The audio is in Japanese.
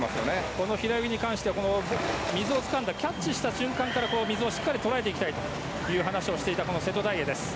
この平泳ぎに関しては水をつかんでキャッチした瞬間から水をしっかり捉えていきたいと話していた瀬戸大也です。